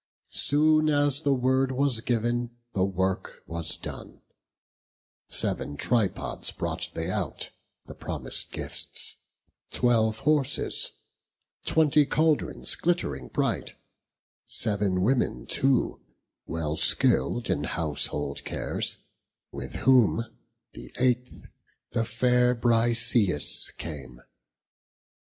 Soon as the word was giv'n, the work was done; Sev'n tripods brought they out, the promis'd gifts; Twelve horses, twenty caldrons glitt'ring bright; Sev'n women too, well skill'd in household cares, With whom, the eighth, the fair Briseis came.